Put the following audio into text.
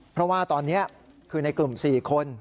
เพราะว่าตอนนี้คือในกลุ่ม๔คน